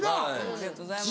ありがとうございます。